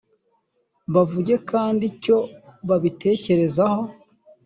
bavuge kandi icyo babitekerezaho .